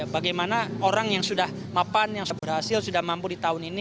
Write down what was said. bagaimana orang yang sudah mapan yang sudah berhasil sudah mampu di tahun ini